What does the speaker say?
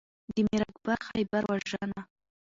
د میر اکبر خیبر وژنه